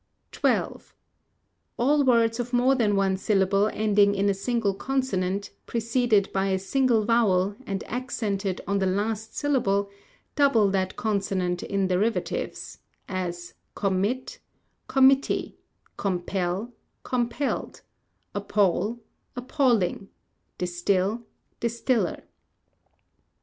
_ xii. All words of more than one syllable ending in a single consonant, preceded by a single vowel, and accented on the last syllable, double that consonant in derivatives; as, _commit, committee; compel, compelled; appal, appalling; distil, distiller.